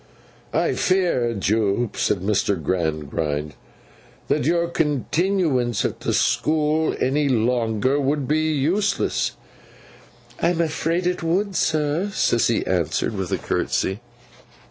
'I fear, Jupe,' said Mr. Gradgrind, 'that your continuance at the school any longer would be useless.' 'I am afraid it would, sir,' Sissy answered with a curtsey.